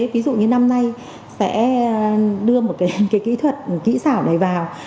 ví dụ như năm nay sẽ đưa một cái kỹ thuật kỹ xảo này vào